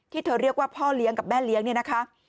เธอเรียกว่าพ่อเลี้ยงกับแม่เลี้ยงเนี่ยนะคะ